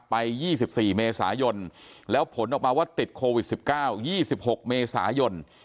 ไปยี่สิบสี่เมษายนแล้วผลออกมาว่าติดโควิดสิบเก้ายี่สิบหกเมษายน